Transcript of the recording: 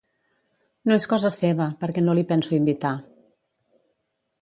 No és cosa seva, perquè no l'hi penso invitar.